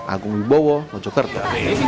agung ibowo mojokerto